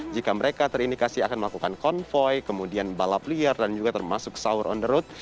jika mereka terindikasi akan melakukan konvoy kemudian balap liar dan juga termasuk sahur on the road